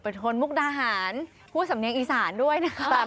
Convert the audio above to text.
เป็นคนมุกดาหารพูดสำเนียงอีสานด้วยนะครับ